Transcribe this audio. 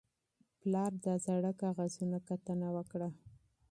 پلار د زاړه کاغذونو کتنه وکړه